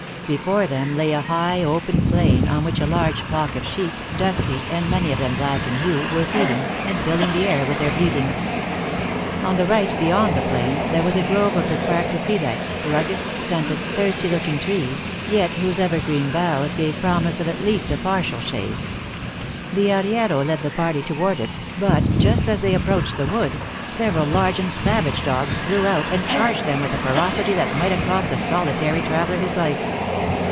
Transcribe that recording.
Before them lay a high open plain, on which a large flock of sheep, dusky, and many of them black in hue, were feeding, and filling the air with their bleatings. On the right, beyond the plain, there was a grove of the Quercus Ilex, rugged, stunted, thirsty looking trees, yet whose evergreen boughs gave promise of at least a partial shade. The arriero led the party toward it, but just as they approached the wood, several large and savage dogs flew out, and charged them with a ferocity that might have cost a solitary traveler his life.